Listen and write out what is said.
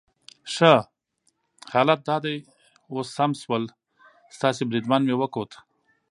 ښه، حالات دا دي اوس سم شول، ستاسي بریدمن مې وکوت.